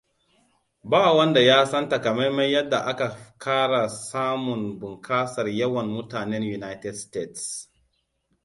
Ba wanda ya san takamaiman yadda aka ƙara samun bunƙasar yawan mutanen United States.